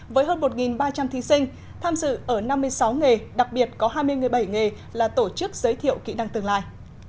với hơn một ba trăm linh thí sinh tham dự ở năm mươi sáu nghề đặc biệt có hai mươi bảy nghề là tổ chức giới thiệu kỹ năng tương lai